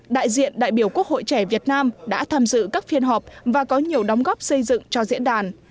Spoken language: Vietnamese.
đại diện đại biểu quốc hội trẻ việt nam đã tham dự các phiên họp và có nhiều đóng góp xây dựng cho diễn đàn